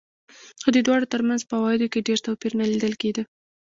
خو د دواړو ترمنځ په عوایدو کې ډېر توپیر نه لیدل کېده.